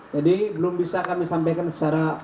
jadi belum bisa kami sampaikan secara